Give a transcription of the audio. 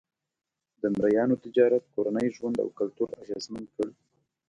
د مریانو تجارت کورنی ژوند او کلتور اغېزمن کړ.